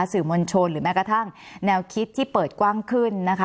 สื่อมวลชนหรือแม้กระทั่งแนวคิดที่เปิดกว้างขึ้นนะคะ